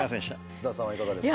須田さんはいかがですか？